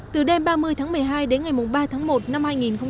từ đêm ba mươi tháng một mươi hai đến ngày ba tháng một năm hai nghìn hai mươi